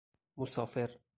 مسافر